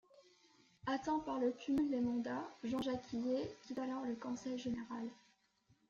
Atteint par le cumul des mandats, Jean-Jacques Guillet quitte alors le conseil général.